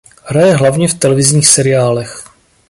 Hraje hlavně v televizních seriálech.